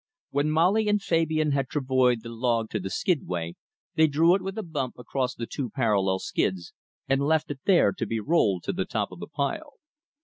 When Molly and Fabian had travoyed the log to the skidway, they drew it with a bump across the two parallel skids, and left it there to be rolled to the top of the pile.